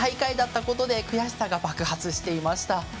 決勝では最下位だったことで悔しさが爆発していました。